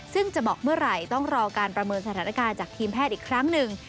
ซึ่งจะบอกเมื่อไหร่ต้องรอการประเมินสถานการณ์จากทีมแพทย์อีกครั้งหนึ่ง